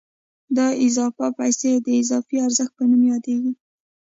دا اضافي پیسې د اضافي ارزښت په نوم یادېږي